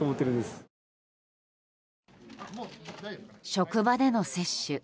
職場での接種。